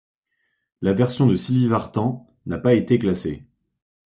La version de Sylvie Vartan n'a pas été classée.